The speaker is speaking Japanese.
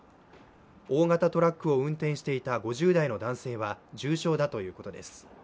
大型トラックを運転していた５０代の男性は重傷だということです。